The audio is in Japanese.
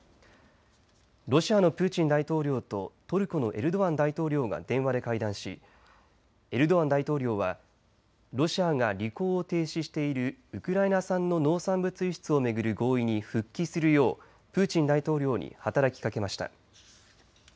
ロシアのプーチン大統領とトルコのエルドアン大統領が電話で会談しエルドアン大統領はロシアが履行を停止しているウクライナ産の農産物輸出を巡る合意に復帰するよう、プーチン大統領に働きかけました。